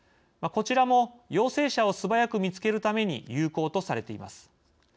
こちらも陽性者を素早く見つけるために有効とされています。